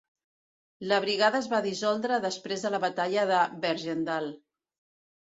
La brigada es va dissoldre després de la batalla de Bergendal.